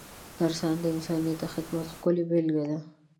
نرسان د انسانیت د خدمت ښکلې بېلګه ده.